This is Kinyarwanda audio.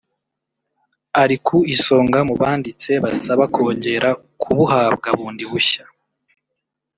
ari ku isonga mu banditse basaba kongera kubuhabwa bundi bushya